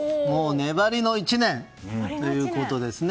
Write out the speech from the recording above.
粘りの１年ということですね。